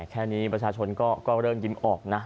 แค่นี้ประชาชนก็เริ่มยิ้มออกนะ